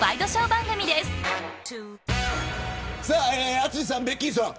淳さん、ベッキーさん